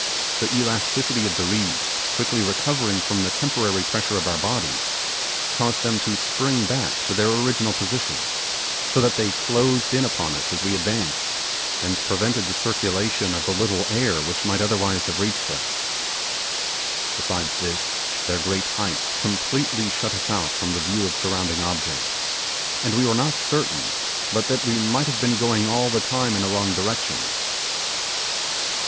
The elasticity of the reeds quickly recovering from the temporary pressure of our bodies, caused them to spring back to their original position; so that they closed in upon us as we advanced, and prevented the circulation of little air which might otherwise have reached us. Besides this, their great height completely shut us out from the view of surrounding objects, and we were not certain but that we might have been going all the time in a wrong direction.